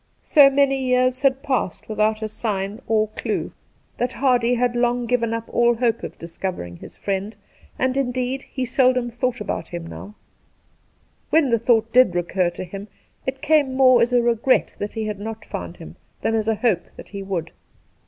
So many years had passed 198 Two Christmas Days without a sign or clue that Hardy had long given up all hope of discovering his friend, and, indeed, he seldom thought about him now. When the thought did recur to him it came more as a regret that he had not found him than as a hope that he would.